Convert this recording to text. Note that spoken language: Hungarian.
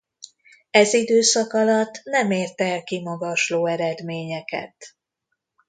Ez időszak alatt nem ért el kimagasló eredményeket.